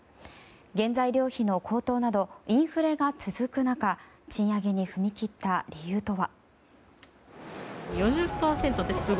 原材料費の高騰などインフレが続く中賃上げに踏み切った理由とは。